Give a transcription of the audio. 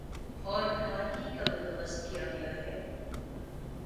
اور بھلائی ہی کا بندو بست کیا گیا ہے